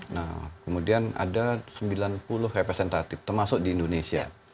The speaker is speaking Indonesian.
nah kemudian ada sembilan puluh representatif termasuk di indonesia